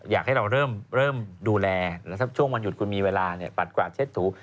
อยากให้เริ่มดูแลแล้วถ้าช่วงวันหยุดคุณมีเวลาเนี่ยปัดกวาดเช็ดถูก